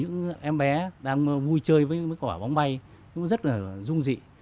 những em bé đang vui chơi với mấy quả bóng bay nó rất là dung dị